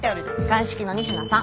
鑑識の仁科さん。